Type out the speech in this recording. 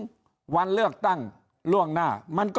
ยิ่งอาจจะมีคนเกณฑ์ไปลงเลือกตั้งล่วงหน้ากันเยอะไปหมดแบบนี้